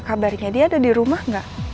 kabarnya dia ada di rumah nggak